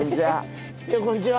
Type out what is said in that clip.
こんにちは。